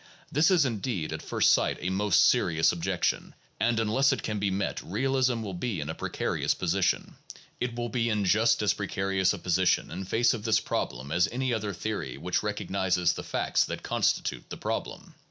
This is indeed at first sight a most serious objection, and unless it can be met realism will be in a precarious position ; it will be in just as precarious a position in face of this problem as any other theory which recognizes the facts that constitute the problem.